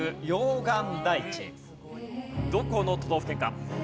どこの都道府県か。